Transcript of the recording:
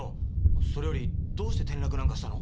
それよりどうして転落なんかしたの？